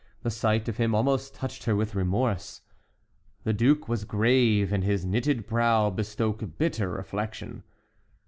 The sight of him almost touched her with remorse. The duke was grave, and his knitted brow bespoke bitter reflection.